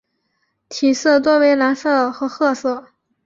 体色多为蓝色和褐色。